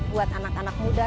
buat anak anak muda